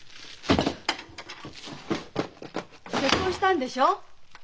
結婚したんでしょ？